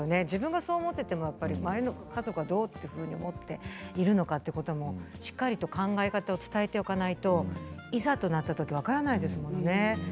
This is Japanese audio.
自分がそう思っていても周りの家族はどう思っているのかということもしっかり考え方を伝えておかないといざとなったとき分からないですもんね。